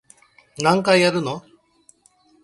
何回やるの